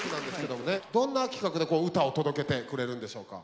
どんな企画で歌を届けてくれるんでしょうか？